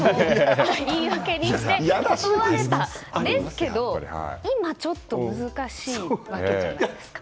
言い訳にして断れたんですけどでも、今はちょっと難しいわけじゃないですか。